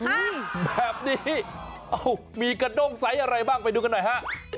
อืมแบบนี้เอ้ามีกระด้งไซส์อะไรบ้างไปดูกันหน่อยฮะ